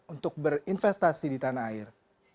untuk berinvestasi di tanah air